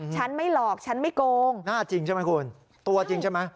ฉันไม่หลอกฉันไม่โกงหน้าจริงใช่ไหมคุณตัวจริงใช่ไหม